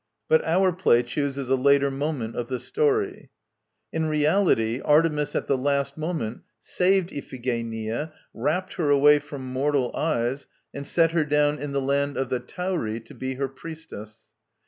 But our play chooses a later moment of the story. In reality Artemis at the last moment saved Iphigenia, rapt her away from mortal eyes and set her down in the land of the Tauri to be her priestess.